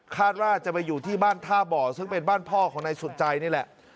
คาดว่าจะไปอยู่ที่บ้านท่าบ่อซึ่งเป็นบ้านพ่อของนายสุดใจนี่แหละ